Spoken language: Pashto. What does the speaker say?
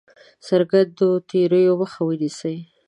څرګندو تېریو مخه ونیسي.